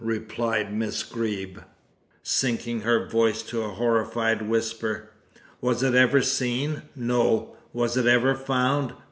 replied Miss Greeb, sinking her voice to a horrified whisper. "Was it ever seen? No! Was it ever found?